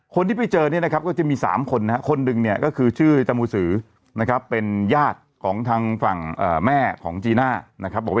คนที่ไปเจอเนี่ยนะครับก็จะมี๓คนนะครับคนหนึ่งเนี่ยก็คือชื่อจมูสือนะครับเป็นญาติของทางฝั่งแม่ของจีน่านะครับบอกว่า